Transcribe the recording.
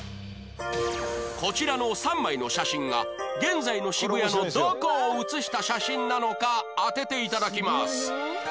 こちらの３枚の写真が現在の渋谷のどこを写した写真なのか当てて頂きます